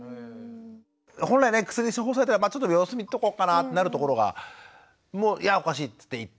本来ね薬処方されたらまあちょっと様子見とこうかなってなるところがもういやおかしいって行った。